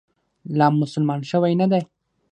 لا مسلمان شوی نه دی.